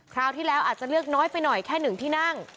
คราวที่แล้วอาจจะเลือกน้อยไปหน่อยแค่๑ที่นั่ง